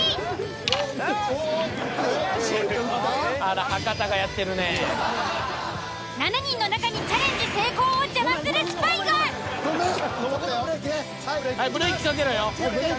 あら７人の中にチャレンジ成功を邪魔するスパイが！ごめん！